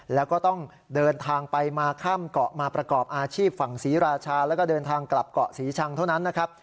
แล้วก็ต้องเดินทางไปมาข้ามเกาะมาประกอบอาชีพฝั่งศรีราชาแล้วก็เดินทางกลับเกาะศรีชังเท่านั้นนะครับ